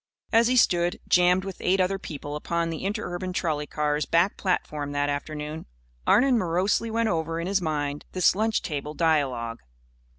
As he stood, jammed with eight other people upon the interurban trolley car's back platform that afternoon, Arnon morosely went over in his mind this lunch table dialogue.